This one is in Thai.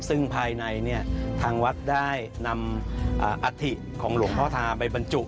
ซึ่งภายในทางวัดได้นำอัฐิของหลวงพ่อธาไปบรรจุ